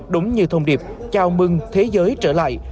đúng như thông điệp chào mừng thế giới trở lại